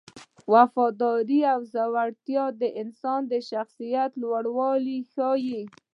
وفاداري او زړورتیا د انسان د شخصیت لوړوالی ښيي.